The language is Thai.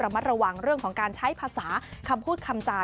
มัดระวังเรื่องของการใช้ภาษาคำพูดคำจา